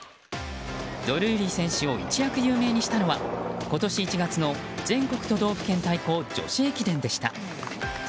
ドルーリー選手を一躍有名にしたのは今年１月の全国都道府県対抗女子駅伝でした。